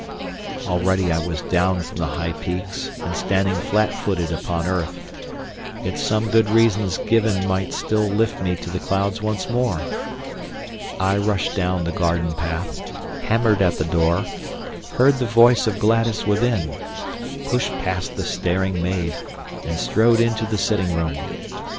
Already I was down from the high peaks and standing flat footed upon earth. Yet some good reasons given might still lift me to the clouds once more. I rushed down the garden path, hammered at the door, heard the voice of Gladys within, pushed past the staring maid, and strode into the sitting room.